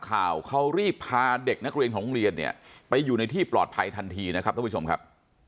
ข่าวเขารีบพาเด็กนักเรียนของโรงเรียนเนี่ยไปอยู่ในที่ปลอดภัยทันทีนะครับท่านผู้ชมครับ